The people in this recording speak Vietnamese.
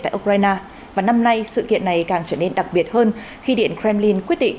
tại ukraine và năm nay sự kiện này càng trở nên đặc biệt hơn khi điện kremlin quyết định